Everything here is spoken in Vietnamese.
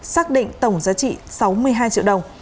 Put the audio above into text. xác định tổng giá trị sáu mươi hai triệu đồng